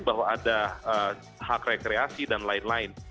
bahwa ada hak rekreasi dan lain lain